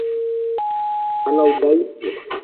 Ana udhaifu.